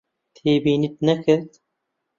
تێبینیت نەکرد؟